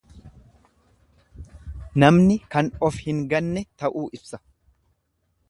Namni kan of hin ganne ta'uu ibsa.